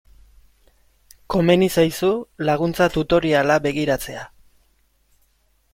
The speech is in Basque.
Komeni zaizu laguntza tutoriala begiratzea.